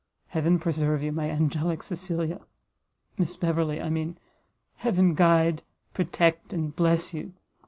Heaven preserve you, my angelic Cecilia! Miss Beverley, I mean, Heaven guide, protect, and bless you!